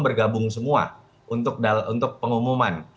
bergabung semua untuk pengumuman